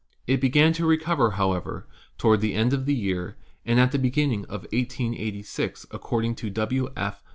It began to recover, however, toward the end of the year, and at the beginning of 1886, according to W. F.